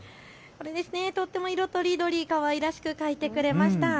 とっても色とりどり、かわいらしく描いてくれました。